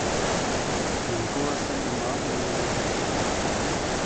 ہندکو اساں دی ماں بولی اے۔